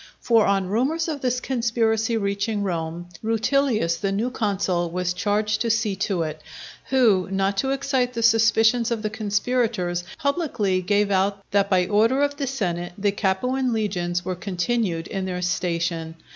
For on rumours of this conspiracy reaching Rome, Rutilius the new consul was charged to see to it; who, not to excite the suspicions of the conspirators, publicly gave out that by order of the senate the Capuan legions were continued in their station.